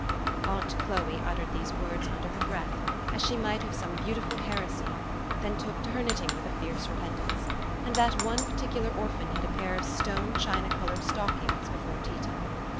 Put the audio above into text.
Aunt Chloe uttered these words under her breath, as she might have some beautiful heresy, then took to her knitting with a fierce repentance ; and that one particular orphan had a pair of stone china col ored stockings before tea time.